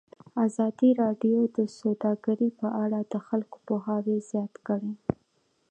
ازادي راډیو د سوداګري په اړه د خلکو پوهاوی زیات کړی.